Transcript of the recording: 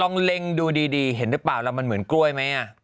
เล็งดูดีเห็นหรือเปล่าแล้วมันเหมือนกล้วยไหม